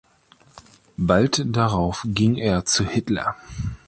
Bald darauf ging er zu Hitler.